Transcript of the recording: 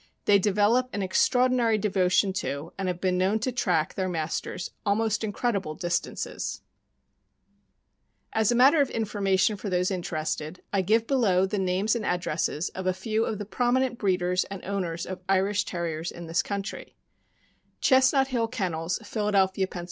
They develop an extraordinary devotion to, and have been known to track their masters almost incred ible distances. 424 THE AMERICAN BOOK OF THE DOG. As a matter of information for those interested, I give below the names and addresses of a few of the prominent breeders and owners of Irish Terriers in this country: Chestnut Hill Kennels, Philadelphia, Penn.